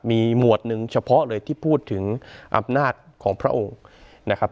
มีหมวดหนึ่งเฉพาะเลยที่พูดถึงอำนาจของพระองค์นะครับ